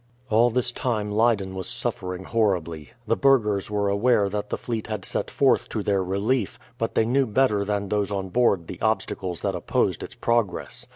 All this time Leyden was suffering horribly. The burghers were aware that the fleet had set forth to their relief, but they knew better than those on board the obstacles that opposed its progress.